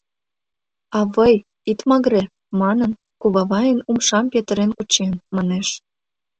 «Авый, ит магыре» манын, кувавайын умшам петырен кучен, манеш.